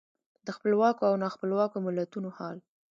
د خپلواکو او نا خپلواکو ملتونو حال.